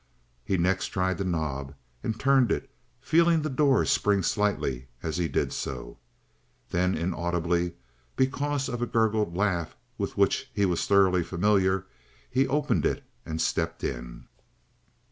He next tried the knob and turned it, feeling the door spring slightly as he did so. Then inaudibly, because of a gurgled laugh with which he was thoroughly familiar, he opened it and stepped in.